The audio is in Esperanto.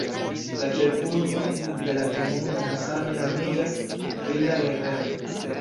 La ĉefurbo de la komunumo same nomiĝas "Villa Guerrero".